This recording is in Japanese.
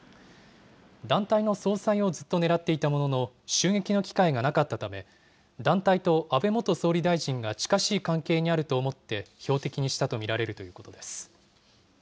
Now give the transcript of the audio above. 団体の総裁をずっと狙っていたものの、襲撃の機会がなかったため、団体と安倍元総理大臣が近しい関係にあると思って標的にしたと見られるということです。